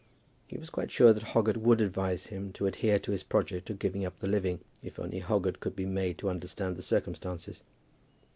He was quite sure that Hoggett would advise him to adhere to his project of giving up the living, if only Hoggett could be made to understand the circumstances.